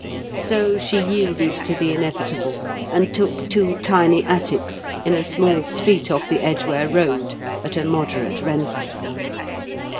So she yielded to the inevitable, and took two tiny attics in a small street off the Edgware Road at a moderate rental.